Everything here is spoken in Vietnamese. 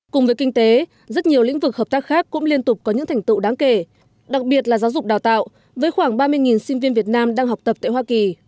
cùng với kinh tế rất nhiều lĩnh vực hợp tác khác cũng liên tục có những thành tựu đáng kể đặc biệt là giáo dục đào tạo với khoảng ba mươi sinh viên việt nam đang học tập tại hoa kỳ